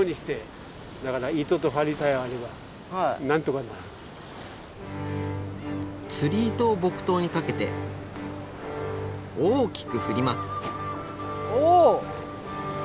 だから釣り糸を木刀にかけて大きく振りますおお！